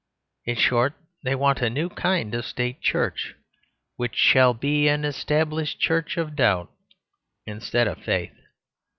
In short, they want a new kind of State Church, which shall be an Established Church of Doubt instead of Faith.